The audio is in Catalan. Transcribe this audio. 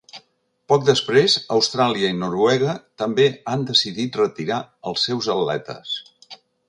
Poc després, Austràlia i Noruega també han decidit retirar els seus atletes.